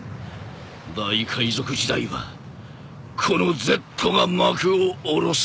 大海賊時代はこのＺが幕を下ろす。